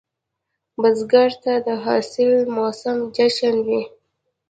بزګر ته د حاصل موسم جشن وي